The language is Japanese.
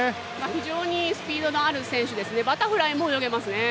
非常にスピードのある選手ですね、バタフライも泳げますね。